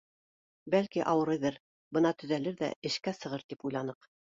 Бәлки, ауырыйҙыр, бына төҙәлер ҙә, эшкә сығыр тип уйланыҡ.